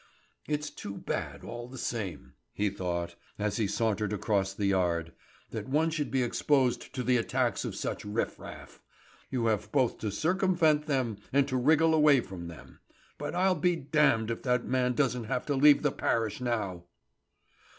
"It's too bad all the same," he thought, as he sauntered across the yard, "that one should be exposed to the attacks of such riff raff. You have both to circumvent them and to wriggle away from them; but I'll be d d if that man doesn't have to leave the parish now!"